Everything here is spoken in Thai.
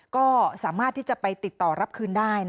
ก็สามารถที่จะไปติดต่อรับคืนได้